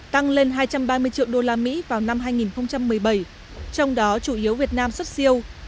tăng lên hai trăm ba mươi triệu usd vào năm hai nghìn một mươi bảy trong đó chủ yếu việt nam xuất siêu